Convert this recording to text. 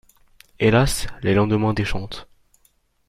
Hélas, les lendemains déchantent.